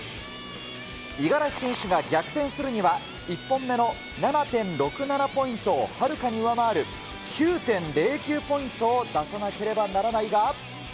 五十嵐選手が逆転するには、１本目の７．６７ポイントをはるかに上回る、９．０９ポイントを出さなければならないが。